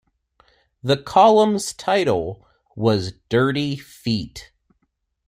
The column's title was Dirty Feet.